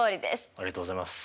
ありがとうございます。